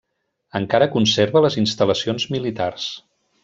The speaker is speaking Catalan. Encara conserva les instal·lacions militars.